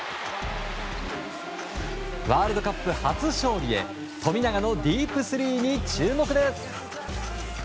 ワールドカップ初勝利へ富永のディープスリーに注目です。